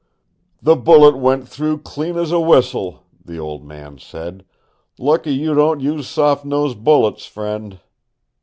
"The bullet went through clean as a whistle," the old man said. "Lucky you don't use soft nosed bullets, friend."